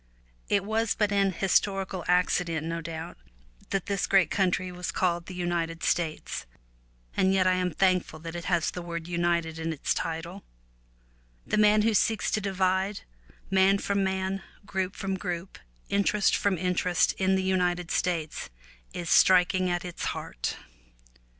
It was but an historical accident, no doubt, that this great country was called The United States,' and yet I am thankful that it has the word 'United' in its title; and the man who seeks to divide, man from man, group from group, interest from interest in the United States, is striking at its heart.